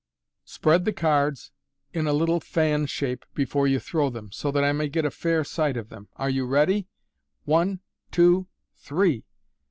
Spread the cards a little in a fan shape before you throw them, so that I may get a fair MODERN MAGIC. 123 sight of them. Are you ready ? One, two, thres